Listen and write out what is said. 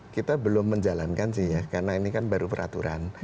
kita belum menjalankan sih ya karena ini kan baru peraturan